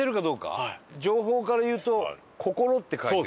情報から言うと「心」って書いてる。